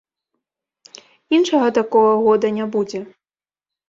Іншага такога года не будзе.